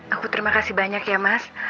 aku terima kasih banyak ya mas